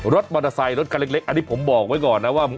รถมอเตอร์ไซค์รถคันเล็กอันนี้ผมบอกไว้ก่อนนะว่า